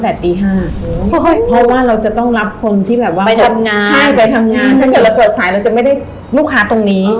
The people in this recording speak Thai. แทนเตียงทำงานถ้าเกิดเราเปิดสายเราจะไม่ได้ลูกค้าตรงนี้